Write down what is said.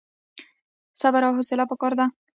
صبر او حوصله پکار ده